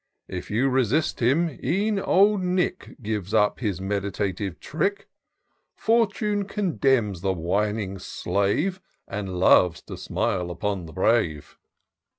If you resist him, e'en Old Nick Gives up his meditated trick : Fortune contemns the whining slave, And loves to smile upon the brave.